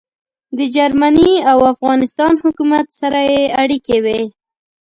د جرمني او افغانستان حکومت سره يې اړیکې وې.